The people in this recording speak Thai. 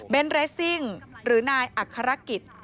เบ้นเรสซิ่งหรือนายอักษรกิจ